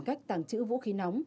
tìm cách tàng trữ vũ khí nóng